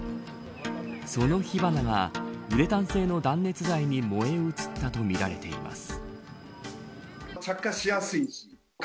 その火花がウレタン製の断熱材に燃え移ったとみられています。